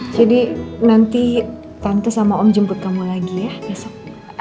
nanti tante sama om jemput kamu lagi ya besok